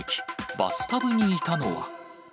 バスタブにいたのは。